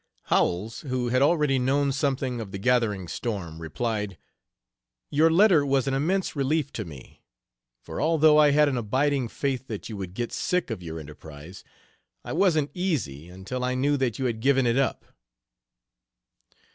Howells, who had already known something of the gathering storm, replied: "Your letter was an immense relief to me, for although I had an abiding faith that you would get sick of your enterprise, I wasn't easy until I knew that you had given it up."